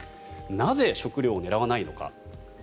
なぜ、食料を狙わないのか。